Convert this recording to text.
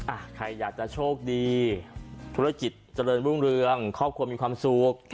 อ่ะใครอยากจะโชคดีธุรกิจเจริญรุ่งเรืองครอบครัวมีความสุข